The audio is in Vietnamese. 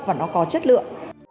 và nó có chất lượng